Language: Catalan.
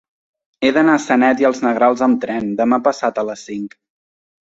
He d'anar a Sanet i els Negrals amb tren demà passat a les cinc.